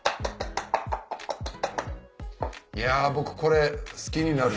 いや僕これ好きになる。